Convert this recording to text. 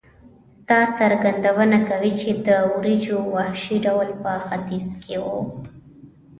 دا څرګندونه کوي چې د وریجو وحشي ډول په ختیځ کې وې.